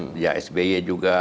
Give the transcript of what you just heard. sejak sby juga